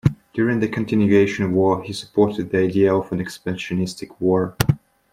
During the Continuation War he supported the idea of an expansionistic war.